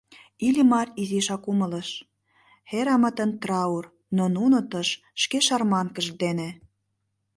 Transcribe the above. Иллимар изишак умылыш: Хӓррамытын траур, а нуно тыш шке шарманкышт дене!